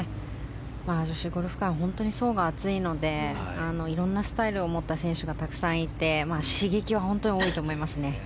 女子ゴルフ界も本当に層が厚いのでいろんなスタイルを持った選手がたくさんいて刺激は本当に多いと思います。